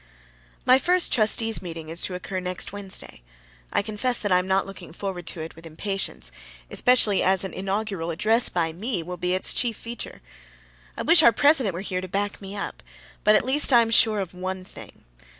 My first trustees' meeting is to occur next Wednesday. I confess that I am not looking forward to it with impatience especially as an inaugural address by me will be its chief feature. I wish our president were here to back me up! But at least I am sure of one thing.